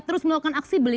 terus melakukan aksi beli